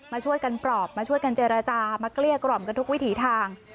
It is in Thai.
มาช่วยกันปลอบมาช่วยกันเจรจามาเกลี้ยกล่อมกันทุกวิถีทาง